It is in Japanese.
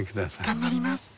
頑張ります。